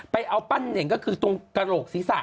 ไปเอาปั้นเน่งก็คือตรงกระโหลกศีรษะ